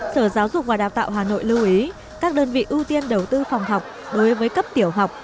sở giáo dục và đào tạo hà nội lưu ý các đơn vị ưu tiên đầu tư phòng học đối với cấp tiểu học